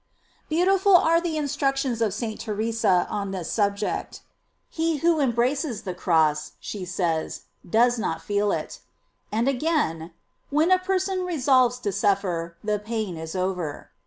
"* Beautiful are the instructions of St. Theresa on this sub ject: "He who embraces the cross," she says, "does not feel it." And again : "When a person resolves to suffer, the pain is over."